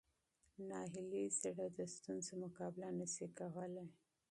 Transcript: ناهیلي زړه د ستونزو مقابله نه شي کولی.